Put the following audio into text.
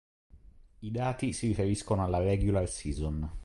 I dati si riferiscono alla "regular season".